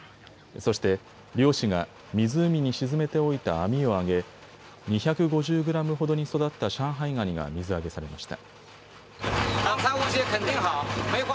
そして漁師が湖に沈めておいた網を揚げ、２５０グラムほどに育った上海ガニが水揚げされました。